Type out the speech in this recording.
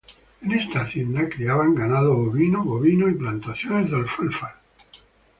En esta hacienda, criaban ganado ovino, bovino y plantaciones de alfalfa.